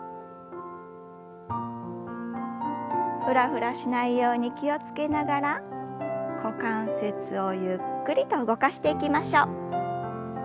フラフラしないように気を付けながら股関節をゆっくりと動かしていきましょう。